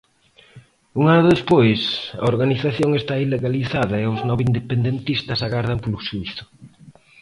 Un ano despois, a organización está ilegalizada e os nove independentistas agardan polo xuízo.